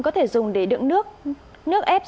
có thể dùng để đựng nước nước ép